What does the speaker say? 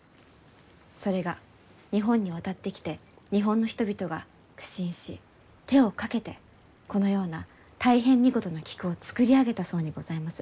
それが日本に渡ってきて日本の人々が苦心し手をかけてこのような大変見事な菊を作り上げたそうにございます。